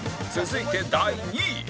続いて第２位